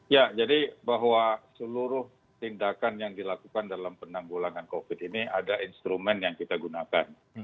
ya jadi bahwa seluruh tindakan yang dilakukan dalam penanggulangan covid ini ada instrumen yang kita gunakan